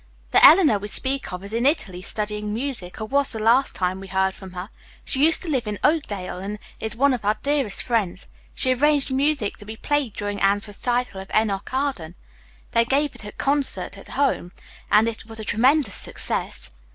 "The 'Eleanor' we speak of is in Italy, studying music, or was the last time we heard from her. She used to live in Oakdale and is one of our dearest friends. She arranged music to be played during Anne's recital of 'Enoch Arden.' They gave it at a concert at home and it was a tremendous success."